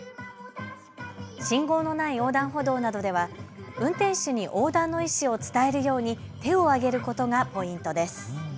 信号のない横断歩道などでは運転手に横断の意思を伝えるように手を上げることがポイントです。